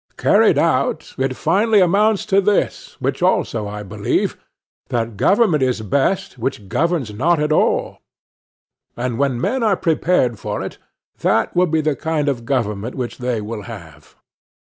Carried out, it finally amounts to this, which also I believe—"That government is best which governs not at all;" and when men are prepared for it, that will be the kind of government which they will have.